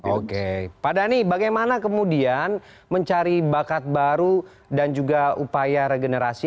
oke pak dhani bagaimana kemudian mencari bakat baru dan juga upaya regenerasi